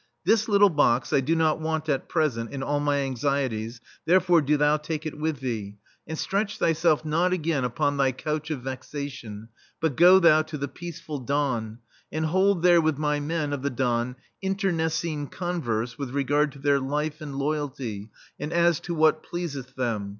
This little box I do not want at present, in all my anxieties, there fore do thou take it with thee ; and [.6] THE STEEL FLEA Stretch thyself not again upon thy couch of vexation, but go thou to the peace ful Don, and hold there with my men of the Don internecine converse with regard to their life and loyalty, and as to what pleaseth them.